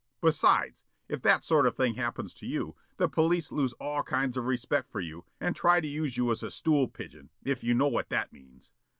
Besides, if that sort of thing happens to you, the police lose all kinds of respect for you and try to use you as a stool pigeon, if you know what that means."